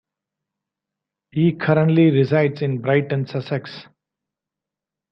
He currently resides in Brighton, Sussex.